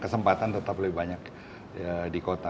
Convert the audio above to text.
kesempatan tetap lebih banyak di kota